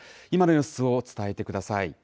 今の様子を伝えてください。